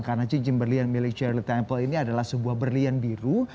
karena cincin berlian milik shirley temple ini adalah sebuah berlian biru